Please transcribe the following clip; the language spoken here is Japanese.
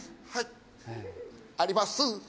はいありまスー！